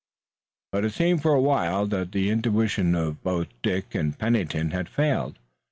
But it seemed for a while that the intuition of both Dick and Pennington had failed.